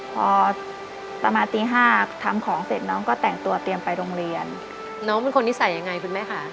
พอประมาณตีห้าทำของเสร็จน้องก็แต่งตัวเตรียมไปโรงเรียนน้องเป็นคนนิสัยยังไงคุณแม่ค่ะ